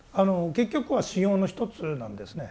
結局は修行の一つなんですね。